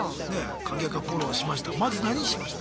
鍵アカフォローしました。